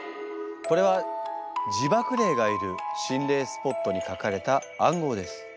これは地縛霊がいる心霊スポットに書かれた暗号です。